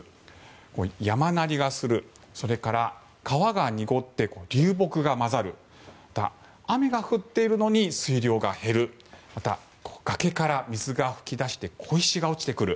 山鳴りがする、それから川が濁って流木が混ざる雨が降っているのに水量が減るまたは、崖から水が噴き出して小石が落ちてくる。